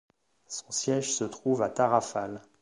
Son siège se trouve à Tarrafal.